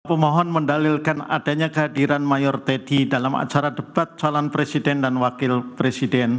pemohon mendalilkan adanya kehadiran mayor teddy dalam acara debat calon presiden dan wakil presiden